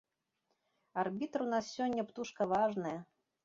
Арбітр у нас сёння птушка важная.